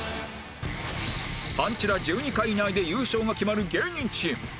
パンチラ１２回以内で優勝が決まる芸人チーム